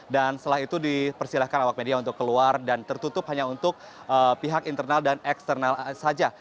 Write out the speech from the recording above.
dan setelah itu dipersilahkan awak media untuk keluar dan tertutup hanya untuk pihak internal dan eksternal saja